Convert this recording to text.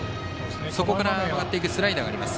そこから曲がっていくスライダーがあります。